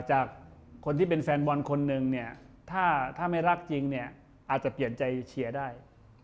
จากคนที่เป็นแฟนบอลคนหนึ่งเนี่ยถ้าไม่รักจริงเนี่ยอาจจะเปลี่ยนใจเชียร์ได้